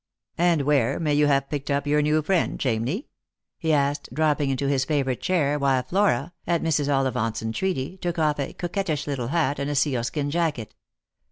" And where may you have picked up your new friend, Cham ney ?" he asked, dropping into his favourite chair, while Flora, at Mrs. Ollivant's entreaty, took off a coquettish little hat and a sealskin jacket.